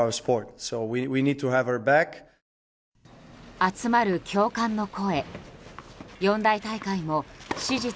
集まる共感の声。